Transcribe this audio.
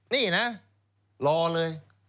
นี่นะรอเลย